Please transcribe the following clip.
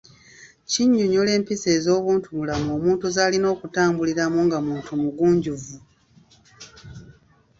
Kinnyonnyola empisa ez’obuntubulamu omuntu z’alina okutambuliramu nga muntu mugunjuvu.